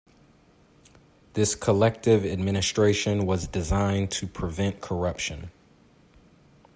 This collective administration was designed to prevent corruption.